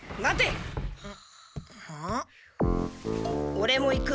オレも行く。